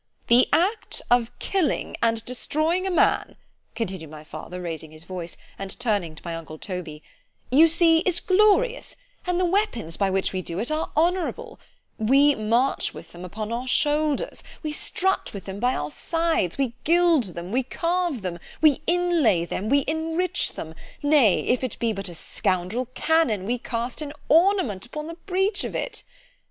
——The act of killing and destroying a man, continued my father, raising his voice—and turning to my uncle Toby—you see, is glorious—and the weapons by which we do it are honourable——We march with them upon our shoulders——We strut with them by our sides——We gild them——We carve them——We in lay them——We enrich them——Nay, if it be but a scoundrel cannon, we cast an ornament upon the breach of it.